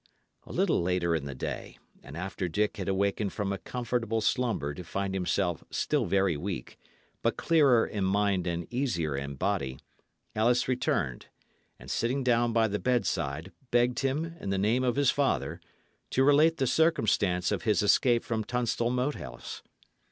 A little later in the day, and after Dick had awakened from a comfortable slumber to find himself still very weak, but clearer in mind and easier in body, Ellis returned, and sitting down by the bedside, begged him, in the name of his father, to relate the circumstance of his escape from Tunstall Moat House.